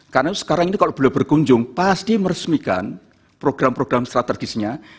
karena sekarang ini kalau beliau berkunjung pasti meresmikan program program strategisnya